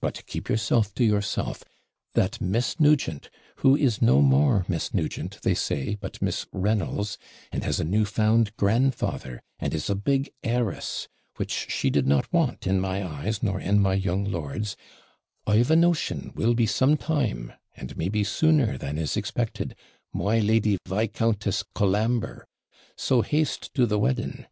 But keep yourself to yourself that Miss Nugent (who is no more Miss Nugent, they say, but Miss Reynolds, and has a new found grandfather, and is a big heiress, which she did not want in my eyes, nor in my young lord's), I've a notion will be sometime, and maybe sooner than is expected, my Lady Viscountess Colambre so haste to the wedding.